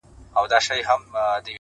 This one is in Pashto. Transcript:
• ولاړ انسان به وي ولاړ تر اخریته پوري،